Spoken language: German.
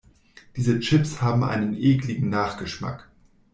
Diese Chips haben einen ekligen Nachgeschmack.